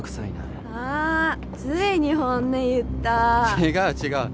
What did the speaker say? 違う違う。